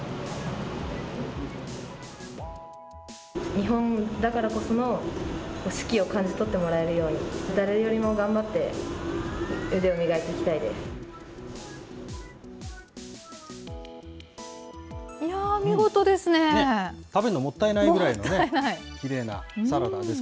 日本だからこその四季を感じ取ってもらえるように、誰よりも頑張って、腕を磨いていきたいです。